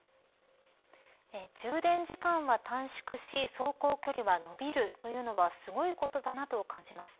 充電時間は短縮し走行距離は伸びるというのはすごいことだなと感じます。